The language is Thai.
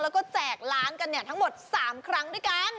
แล้วก็แจกล้านกันเนี่ยทั้งหมด๓ครั้งด้วยกัน